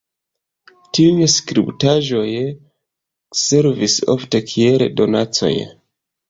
Tiuj skulptaĵoj servis ofte kiel donacoj.